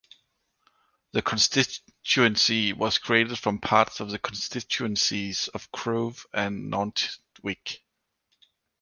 The constituency was created from parts of the constituencies of Crewe and Nantwich.